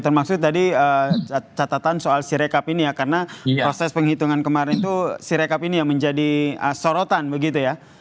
termasuk tadi catatan soal sirekap ini ya karena proses penghitungan kemarin itu sirekap ini yang menjadi sorotan begitu ya